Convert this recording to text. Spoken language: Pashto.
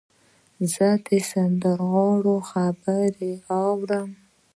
زه د سندرغاړو خبرې اورم.